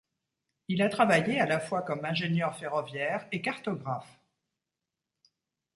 Il a travaillé à la fois comme ingénieur ferroviaire et cartographe.